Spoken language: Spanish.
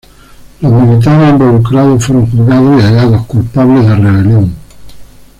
Los militares involucrados fueron juzgados y hallados culpables de rebelión.